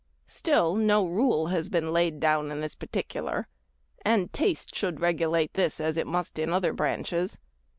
Still, no rule has been laid down in this particular, and taste should regulate this as it must in other branches.